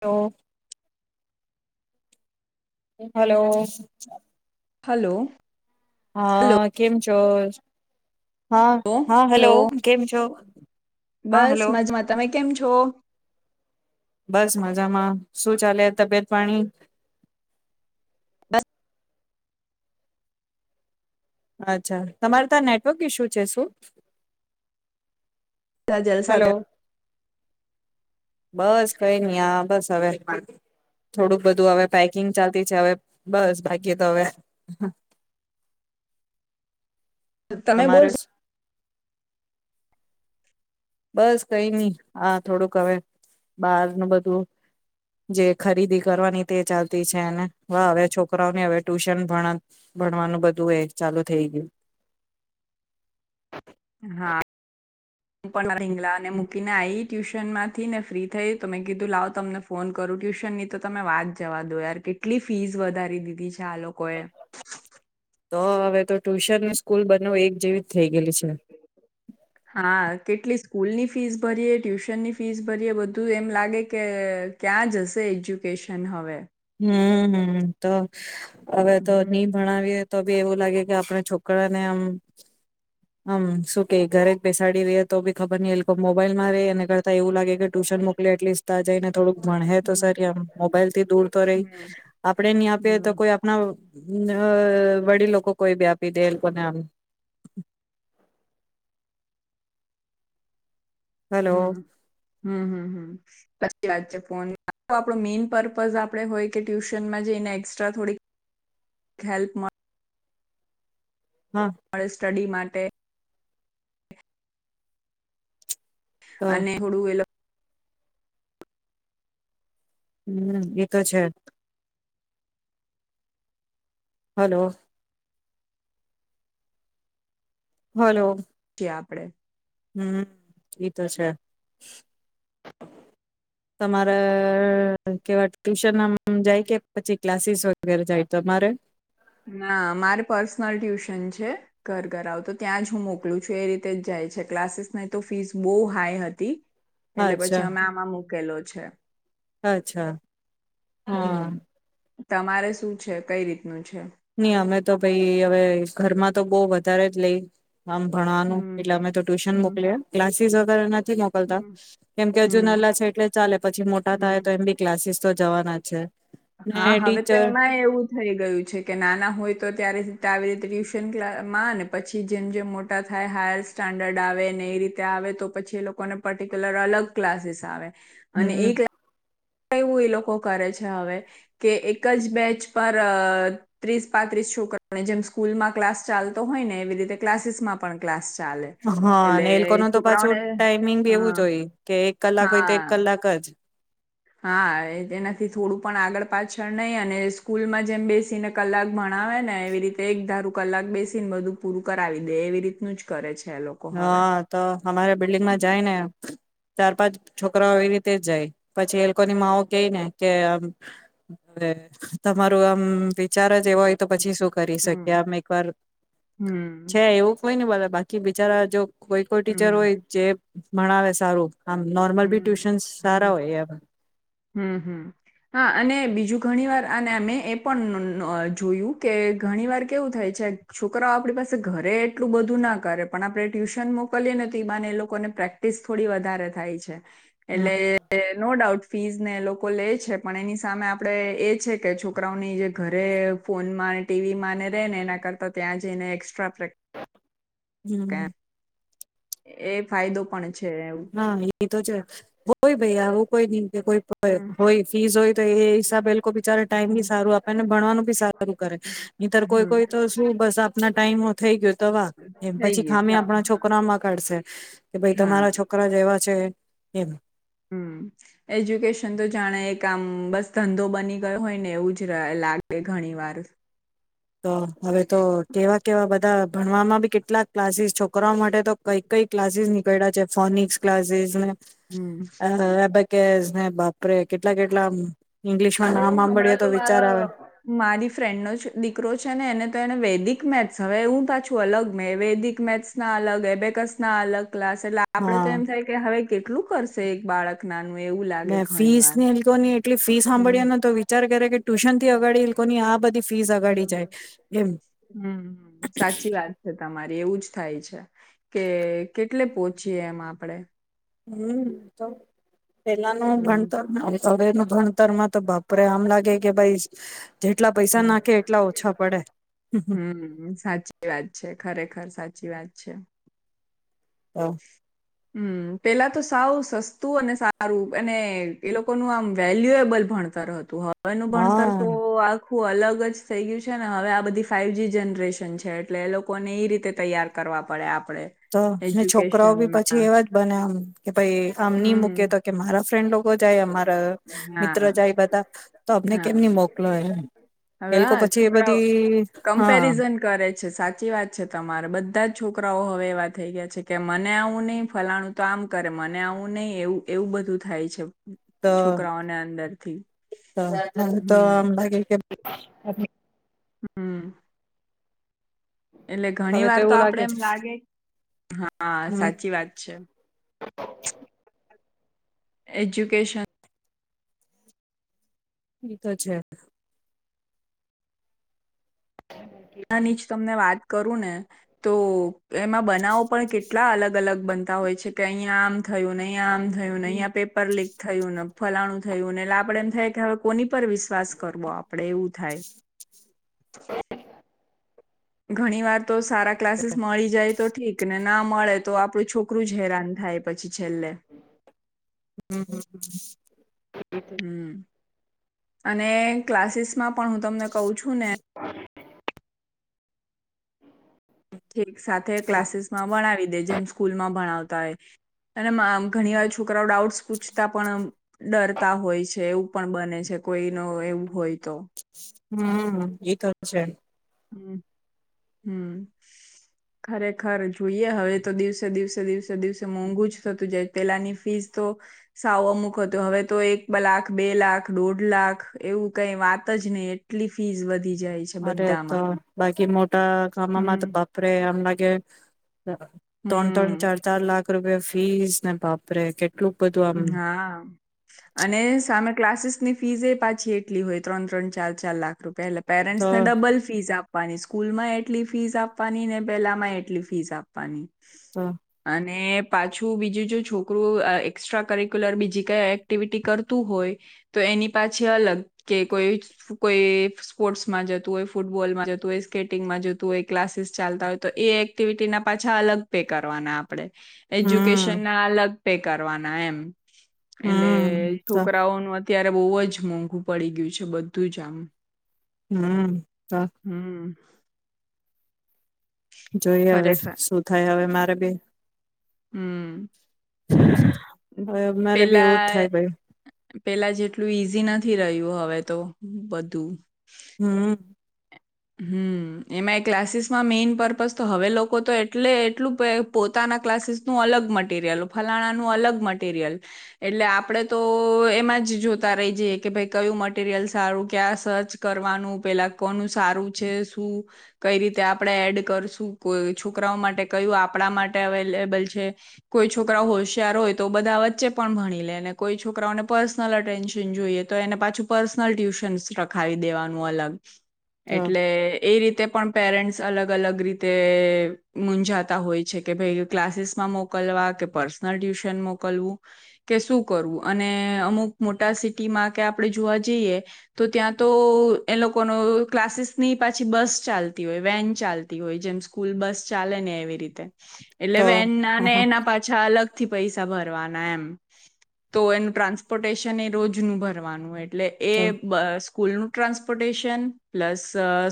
Hello. Hello. Hello. Hello હા કેમ છ તો. હા હા હેલો હલો કેમ છો. હા બસ હેલો મજામાં તમે કેમ છો. બસ મજામાં શું ચાલે તબિયત પા ણી. બસ. અચ્છા તમારે ત્યાં નેટવર્ક ઈશ્યુ છે શું. બધા જલસા હલો બસ કઈ નહ આ બસ હવે થોડુંક બધું હવે પેકિંગ ચાલતી છે હવે બસ બાકી તો હવે. તમે તમારે બોલો. બસ કઈ નહી આ થોડુંક હવે બાર ન બધું જે ખરીદી કરવાની તે ચાલતી છે અને હ હવે છોકરાઓને હવે ટ્યુશન ભણ ભણવાનું બધું એ ચાલુ થઈ ગયું. હા હું પણ મા શિંગલાને મૂકીને આઈ ટ્યુશન માંથી ને ફ્રી થઈ તો મેં કીધું લાવ તમને ફોન કરું ટ્યુશન ની તો તમે વાત જવા દો યાર કેટલી ફીસ વધારી દીધી છે આ લોકોએ. તો હવે તો ટુશન સ્કૂલ બનવું એક જેવી જ થઈ ગયેલી છે. હા કેટલી સ્કૂલની ફીસ ભરીએે ટ્યુશનની ફીસ ભરીયએ બધું એમ લાગે કે ક્યાં જશે એજ્યુકેશન હવે. હમ હમ તો. હવે તો હમ નહી ભણાવીએ. તો બી એવું લાગે કે આપણા છોકરાને આમ આમ શું કે ઘરે જ બેસાડી રે તો બી ખબર નઈ લોકો મોબાઈલ માં રે એ કરતા એવું લાગે કે. ટ્યુશન મોકલી એટલીસ્ટા જઈ ને થોડુંક ભણે તો હમ સર આમ મોબાઈલ થી દૂર. કરે હમ આપણેે નહી આપી તો હમ કોઈ આપણા અ વડીલો કે કોઈ બી આપી દે લોકોને આમ. હલો હમ હમ હમ હમ. સાચી વાત છે. ફોન આપ મેઈન પર્પઝ આપડે હોય કે ટ્યુશનમાં જઈને એક્સ્ટ્રા થોડીક હેલ્પ મળે. હા મળે સ્ટડી માટે. તે. તો અને હુડું એ લોકો હમ્મ એતો છે. હલો. હલો. આપડે. હમ્મ એતો છે તમારે કેવાય ટ્યુશન જાય કે પછી ક્લાસીસ વગેરે જાય તમારે? ના મારે પર્સનલ ટ્યુશન છે ઘર-ઘર આવ તો ત્યાં જ હું મોકલું છું એ રીતે જ જાય છે ક્લાસીસની તો ફીસ બહુ હાઈ હતી. એટલે અચ્છા પછી અમે આમાં મૂકેલો છે. અચ્છા હમ્મ. હા તમારે શું છે કઈ રીતનું છે. ની અમે તો ભાઈ હવે ઘરમાં તો બહુ વધારે જ લઈ. આમ ભણવાનું હમ એટલે અમે તો ટ્યુશન હમ મોકલિયે ક્લાસ ફીસ વધારે નથી. નથી મોકલતા હમ કેમ કે હજુ હમ નાલા છે એટલે ચાલે પછી મોટા હમ થાય તો એમ બી ક્લાસીસ તો જવાના જ છે. ને હા હવે તો ટીચર એમાંય એવું થઈ ગયું છે. કે નાના હોય તો ત્યારેતે આવી રીતે ટ્યુશન કમાં આવે ને પછી જેમ જેમ મોટા થાય હાયર સ્ટાન્ડર્ડ આવે ને એ રીતે આવે તો પછી એ લોકોને પર્ટિક્યુલર અલગ ક્લાસીસ આવે. અને હમ એક લા. એવું એ લોકો કરે છે હવે કે એક જ બેચ પર ત્રીસ પાત્રીસ છોકરોને જેમ સ્કૂલમાં ક્લાસ ચાલતો હોય ને એવી રીતે ક્લાસીસ માં પણ ક્લાસ. ચાલે હા એટલે અને એ લોકો ન તો પાછું છોકરાઓને ટાઈમિંગ બી એવું હા જો હોય કે. કલાક હોય તો એક હા કલાક જ. હા એ તેનાથી થોડું પણ આગળ પાછળ નહી અને સ્કૂલમાં જેમ બેસીને કલાક ભણાવે ને એવી રીતે એક ધારૂ કલાક બેસીને બધું પૂરું કરાવી દે એવી રીતનું જ કરે છે. એ લોકો હવે હા તો. અમારા બિલ્ડિંગમાં જાય ને ચાર પાંચ છોકરાઓ એ રીતે જ જાય પછી એ લોકોની માઓ કઈ ને કે આમ તમારું આમ વિચાર જ એવ હોય તો પછી શું કરી શકી હમ આમ એક વાર હમ છે એવું કોઈ ની બોલ બાકી બ રા જો. કોઈ કોઈ ટીચર હમ હોય જે. ભણાવે સારું. આમ નોર્મલ ભી હમ ટુશન હમ સારા હોય એ. હમ હમ હા અને બીજું ઘણી વાર અને મેં એ પણ જોયું કે ઘણી વાર કેવું થાય છે છોકરાઓ આપણી પાસે ઘરે એટલું બધું ના કરે પણ આપણે ટ્યુશન મોકલીએ તો બાને એ લોકોને પ્રેક્ટિસ થોડી વધારે થાય છે. હમ એટલે નો ડઉટ ફીઝ ને લોકો લે છે પણ એની સામે આપણે એ છે કે છોકરાઓની જે ઘરે ફોનમાં ટીવીમાં ને ર રહે ને એના કરતાં ત્યાં જઈને એક્સ્ટ્રા પ્રેક. હમ. એ ફાયદો પણ છે. એવું હા એ તો છે હોય ભાઈ આવું. કોઈ ન. કે કોઈ હમ હોય ફીસ હોય તો એ હિસાબે લોકો બિચારે ટાઈમ બી હમ સારું આપે ને ભણવાનું બી સારું કરે નનીતર કોઈ હમ. કોઈ તો શું બસ આપના ટાઈમ થઈ ગયો તો વા એમ પછી થઈ ખામી ગયું આપણા ચાલો છોકરામાં કાઢશે કે ભાઈ હા તમારા છોક જેવા છે એમ. હમ્મ એજ્યુકેશન તો જાણે એક આમ બસ ધંધો બની ગયો હોય ને એવું જ લાગે ઘણી વાર. તો હવે તો કેવા કેવા બધા. ભણવામાં બી કેટલાક ક્લાસીસ છોકરાઓ માટે તો કઈ કઈ ક્લાસીસ નીકળ્યા છે ફોનિક્સ ક્લાસીસ ને. હમ હ અબાકસ હા બાપરે કેટલા કેટલા. અરે ઇંગ્લિશમાં નામ સાંભળીએ હમણાં તો વિચાર આવે મારા મારી ફ્રેન્ડ ન જ દ દીકરો છે ને એને તો એને વૈદિક મેથ્સ હવે હું તો છું અલગ મેં વૈદિક મેથ્સના અલગ એબેકસ ના અલગ. ક્લાસ એટલે આપડે તો હા એમ થાય કે હવે. કેટલું કરશે એક બાળક નાનું. એવું લાગે ને ઘણી ફીસ વાર ને [unintelligible] તો ને કેટલી ફીઝ હમ હાંભળીયે ને, તો વિચાર કરે કે ટ્યુશનથી અગાડી એ લોકોની આ બધી ફીસ અગાડી જાય એમ હમ, સાચી વાત છે તમારી. એવું જ થાય છે, કે કેટલે પોંચીએ એમ આપડે. હમ, તો પેલાનું હમ ભણતર ને અવેનું ભણતર તરમાં તો બાપરે અમ લાગે કે ભાઈ જેટલા પૈસા નાખે એટલા ઓછા પડે હમ, સાચી વાત છે, ખરેખર. સાચી વાત છે. હમ પેલા તો સાવ સસ્તું અને સારું. અને એ લોકોનું આમ વેલ્યુએબલ ભણતર હતું હ વેનું ભણતર તો હા આ ખું અલગ જ થઈ ગ્યું છે. ને હવે આ બધી ફાઇવ જી જનરેશન છે, એટલે એ લોકોને ઈ રીતે તૈયાર કરવા પડે આપણે. તો ને છોક છોકરાંઓ બી પછી એવા જ બને. હમ. કે ભાઈ આમ નઈ હમ મૂકી તો કે મારા ફ્રેન્ડ લોકો જાય અમારા હા મિત્ર જાય બધા તો અમને કેમ હા ની મોકલો એ એ હવે લોકો હા પછી એ છોકરાઓ બધી હા. કમ્પેરિઝન કરે છોકરા હવે એવા થઈ ગયા છે કે મને આવું નહીં ફલાણું તો આમ કરે મને. અને આવું નહી એવું એવું બધું થાય છે. તો છોકરાઓને અંદરથી હમ [unintelligible] હમ્મ એટલે ઘણી વાર તો આપડે એમ લાગે. હા હમ સાચી વાત છે. એજ્યુકેશન. ઈ તો છે. હા નિ તમને વાત કરું ને તો. એમાં બનાવો પણ કેટલા. કેટલા અલગ અલગ બનતા હોય છે કે અહીંયા આમ. થયું નહીયા આમ થયું ન અંયા પેપર લીક થયું. ફલાણું થયું એટલે આપણેે એમ થાય કે હવે કોની પર વિશ્વાસ કરવો આપણેે એવું થાય. ઘણી વાર. તો સારા ક્લાસીસ મળી જાય. તો ઠીક ને ના મળે તો આપણું છોકરું જ હેરાન થાય પછી છેલ્લે. હમ અને ક્લાસીસમાં પણ હું તમને કઉ છું ને થેરિક સાથે ક્લાસીસમાં ભણાવી દે જેમ સ્કૂલમાં ભણાવતા હોય અને મા ઘણીવાર છોકરાઓ ડાઉટ્સ પૂછતા પણ ડરતા હોય છે એવું પણ બને છે કોઈ ન એવું હોય તો. હમ્મ એ તો છે. હમ્મ હમ્મ ખરેખર જોઈએ હવે તો દિવસે દિવસે દિવસે દિવસે મોંઘું જ થતું જાય પેલાની ફીસ તો સાવ અમુક હતું હવે તો એક લાખ, બે લાખ, દોઢ લાખ એવું કઈ વાત જ નહી એટલી ફીસ વધી. જાય છે અરે બધ તો. કે મો. તા કામમાં તો બાપરે આમ લા કે. ત્રણ, ત્રણ, ચાર, હમ ચાર લાખ રૂપિયા ફીસ ને બાપરે કે હા અને સામે ક્લાસીસ ની ફીસ એ પાછી એટલી હોય ત્રણ ત્રણ ચાર ચાર લાખ રૂપિયા એટલે પેરેન્ટ્સ તો ને ડબલ ફીસ આપ આપવાની સ્કૂલમાં એટલી ફીસ આપવાની ને પેલામાં એટલી ફીસ આપવાની. તો અને પાછું બીજું જો છોકરું અ એક એકસ્ટ્રા કરિક્યુલર બીજી કઈ એક્ટિવિટી કરતું હોય તો એની પાછી અલગ કે કોઈ કોઈ સ્પોર્ટ્સમાં જતું હોય ફૂટબોલમાં જતું હોય સ્કેટિંગમાં જતું હોય ક્લાસીસ ચાલતા હોય તો એ એક્ટિવિટીના પાછા અલગ પે કરવાના આમ. આપણે હમ એજ્યુકેશન ના અલગ. બેકાર. કરવાના એમ. એટલે હમ તો છોકરાઓનું અત્યારે બહુ જ મોંઘું પડી ગયું છે બધું જ આમ. હમ્મ. હ હમ જોઈ હવે શું ખરેખર શું થાય હવે મારે. [unintelligible] હમ્મ. [unintelligible] હવે અમારે બી એવું જ પેલા થાય ભાઈ. પેલા જેટલું ઈઝી નથી રહ્યું હવે તો બધું. હમ હમ્મ એમાં એ ક્લાસીસમાં મેઈન પર્પઝ તો હવે લોકો તો એટલે એટલું પોતાના ક્લાસીસનું અલગ મટીરિયલ ફલાણાનું અલગ મટીરિયલ એટલે આપણેે તો એમાં જ જોતા રહી જઈએ કે ભાઈ કયું મટીરિયલ સારું ક્યાં સર્ચ કરવાનું પેલા કોનું સારું છે શું કઈ રીતે આપણે એડ કરશું કોઈ છોકરાઓ માટે કયું આપણા માટે અવેલેબલ છે, કોઈ છોકરા હોશિયાર હોય તો બધા વચ્ચે પણ ભણી લે ને કોઈ છોકરાઓને પર્સનલ અટેન્શન જોઈએ તો એને પાછું પર્સનલ ટ્યુશન્સ રખાવી દેવાનું અલગ. તો એટલે એ રીતે. પણ પેરેન્ટ્સ અલગ અલગ રીતે મૂજાતા હોય છે કે, ભાઈ ક્લાસીસ માં મોકલવા કે પર્સનલ ટ્યુશન મોકલવું કે શું કરવું અને અમુક મોટા સિટીમાં કે આપણે જોવા જઈએ તો ત્યાં તો એ લોકોનો. ક્લાસીસ નહી પાછી બસ ચાલતી હોય, વેન ચાલતી હોય જેમ સ્કૂલ બસ ચાલે ને એવી રીતે. એટલે તો વેનના ને હ એના પાછા અલગ. થી પૈસા ભરવાના એમ તો એનું ટ્રાન્સપોર્ટેશન એ રોજનું ભરવાનું. એટલે એ તો બ સ્કૂલનું ટ્રાન્સપોર્ટેશન. પ્લસ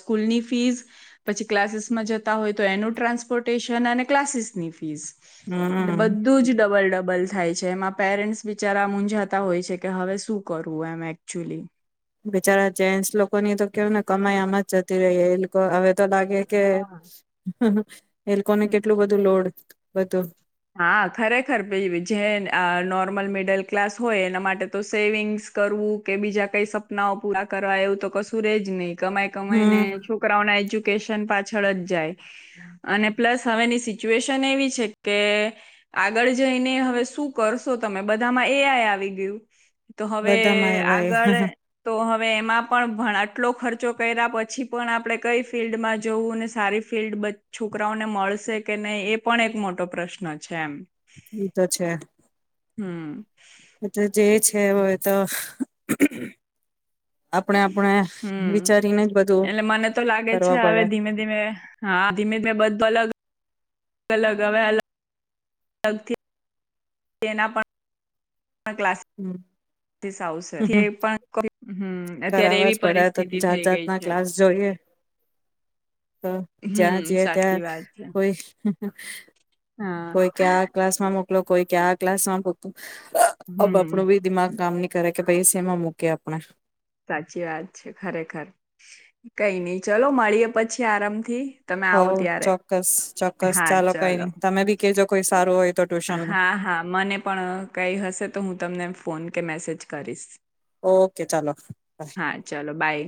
સ્કૂલની ફીઝ પછી ક્લાસીસમાં જતા હોય તો એનું ટ્રાન્સપોર્ટેશન અને ક્લાસીસની ફીસ. એટલે હમ બધું જ ડબલ-ડબલ. થાય છે એમાં પેરેન્ટસ બિચારા મુંઝાતા હોય છે કે હવે શું કરવું એમ એકચુલી. બિચારા જેન્ટસ લોકો ની તો કેવય ને કમાઈ આમ જ જતી રહી એ લોકો હવે. તો લાગે કે. હા એ લોકોને કેટલું બધું લોડ. બ તો. હા ખરેખર જે નોર્મલ મિડલ ક્લાસ હોય એના માટે તો સેવિંગ્સ કરવું કે બીજા કઈ સપનાઓ પૂરા કરવા એવું તો કશું રજ નહી. કમાય કમાય ને હમ છોકરાઓના એજ્ય કેશન પાછળ જ જાય અને પ્લસ હવેની સિચ્યુએશન એવી છે. કે આગળ જઈને હવે શું કરશો તમે બધામાં એઆઈ આવી ગયું. તો હવે બધામાં એવા એ આગળ તો હવે એમાં પણ ભણા આટલો ખર્ચો કર્યા પછી પણ આપણે કઈ ફિલ્ડમાં જવું ને સારી ફિલ્ડ છોકરાઓને મળશે કે નહીં એ પણ એક મોટો. મોટો પ્રશ્ન છે એમ. એ તો છે હમ એતો જે હ હોય તો. [inaudible] આપણે હમ્મ વિચારીને જ બધું એટલે મને તો લાગે છે કરવા હવે પડે ધીમે ધીમે હા ધીમે ધીમે બધો અલગ. અલગ હવે અલગ. અલગથી. એના પણ. ક્લાસસીસ આવશે થે પણ હમ. અત્યારે કરાવા એવી જ પડે આ તો પરિસ્થિતિ જાત થઈ ગઈ જાતના છે ક્લાસ જોઈએ તો જ્યાં હમ જીએ સાચી ત્યાં વાત છે કોઈ. હહ. હા કોઈ કે આ ક્લાસ માં મુ લોકો કે આ ક્લાસ માં મુ. [unintelligible] અવ, હમ આપણું બી દિમાગ કામ ની કરે, કે ભૈ શેમાં મૂકીયે આપણે. સાચી વાત છે. ખરેખર. કઈ નંઈ ચલો મળીએ પછી આરામ થી. હો, ચોક્કસ ચોક્કસ. હા ચાલો કંઈ ચલો ની. તમે બી કેજો કોઈ સારું હોય. તો ટ્યુશન હા હા, મને પણ કંઈ હશે તો હું તમને ફોન કે મેસેજ કરીશ. ઓકે ચાલો બાય. હા ચલો બાય